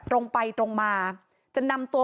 ตรงไปตรงมาจะนำตัว